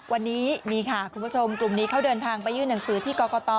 วันนี้นี่ค่ะคุณผู้ชมกลุ่มนี้เขาเดินทางไปยื่นหนังสือที่กรกต